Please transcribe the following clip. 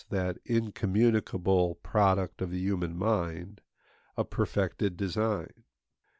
that incommunicable product of the human mind, a perfected design.